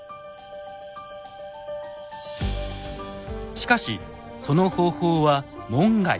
しかしその方法は門外不出。